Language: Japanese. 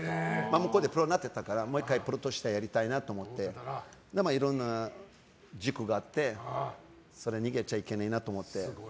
向こうでプロになってたからもう１回プロとしてやりたいなと思っていろんな事故があって逃げちゃいけないなと思って。